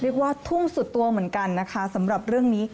ทุ่งสุดตัวเหมือนกันนะคะสำหรับเรื่องนี้